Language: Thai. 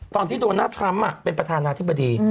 ตอนที่โดนัททรัมป์เป็นประธานาธิบดี